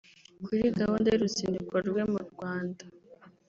Kuri gahunda y’uruzinduko rwe mu Rwanda